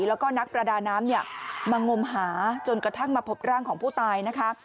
แล้วก็นักประดาน้ำเนี่ยมางมหาจนกระทั่งมาพบร่างของผู้ตายนะคะ